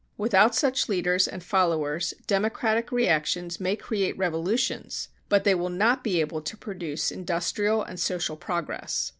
Without such leaders and followers democratic reactions may create revolutions, but they will not be able to produce industrial and social progress.